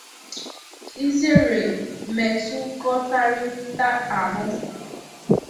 izèrè mmetụkọrịta ahụ